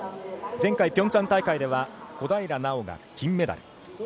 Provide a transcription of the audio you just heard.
前回ピョンチャン大会では小平奈緒が金メダル。